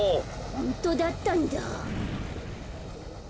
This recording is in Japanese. ホントだったんだ。